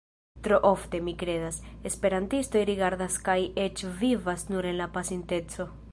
Tro ofte, mi kredas, esperantistoj rigardas kaj eĉ vivas nur en la pasinteco.